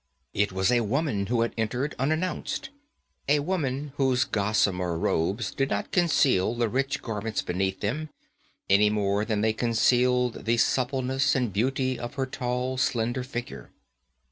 It was a woman who had entered unannounced, a woman whose gossamer robes did not conceal the rich garments beneath them any more than they concealed the suppleness and beauty of her tall, slender figure.